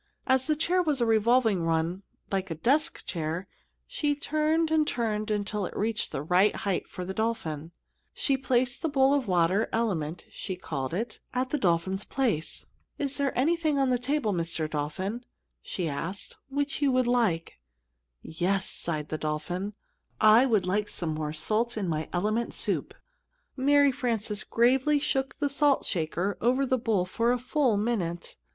As the chair was a revolving one, like a desk chair, she turned and turned it until it reached the right height for the dolphin. She placed the bowl of water, "element" she called it, at the dolphin's place. [Illustration: MARY FRANCES LEANED DOWN AND CAUGHT HOLD OF HIS FINS] "Is there anything on the table, Mr. Dolphin," she asked, "which you would like?" "Yes," sighed the dolphin, "I would like some more salt in my element soup." Mary Frances gravely shook the salt shaker over the bowl for a full minute.